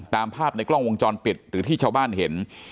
ตามภาพในกล้องวงจรปิดหรือที่ชาวบ้านเห็น